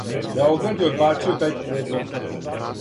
Београд је одбацио тај предлог.